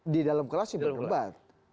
di dalam kelas sih boleh debat